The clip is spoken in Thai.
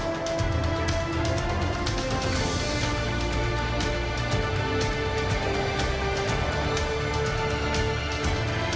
โปรดติดตามตอนต่อไป